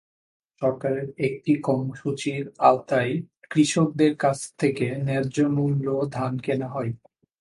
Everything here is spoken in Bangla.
সরকারের একটি কর্মসূচির আওতায় কৃষকদের কাছ থেকে ন্যায্য মূল্যে ধান কেনা হয়।